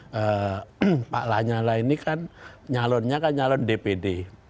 karena mau diapakan juga pak lanyala ini kan nyalonnya kan nyalon dpd